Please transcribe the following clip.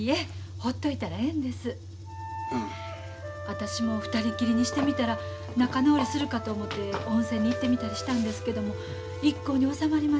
私も２人きりにしてみたら仲直りするかと思て温泉に行ってみたりしたんですけども一向に収まりませんのや。